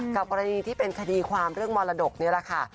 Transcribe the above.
กรณีที่เป็นคดีความเรื่องมรดกนี่แหละค่ะ